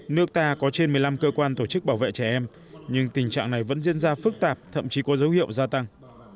nước ta có trên một mươi năm cơ quan tổ chức bảo vệ trẻ em nhưng tình trạng này vẫn diễn ra phức tạp thậm chí có dấu hiệu gia tăng